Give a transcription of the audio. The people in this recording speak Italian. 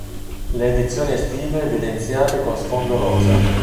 Le edizioni estive evidenziate con sfondo rosa.